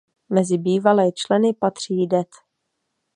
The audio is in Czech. Mezi bývalé členy patří Det.